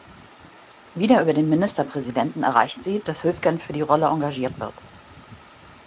Wieder über den Ministerpräsidenten erreicht sie, dass Höfgen für die Rolle engagiert wird.